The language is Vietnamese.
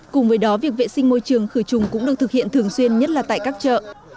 cùng với đó việc vệ sinh môi trường khử trùng cũng được thực hiện thường xuyên nhất là tại các chợ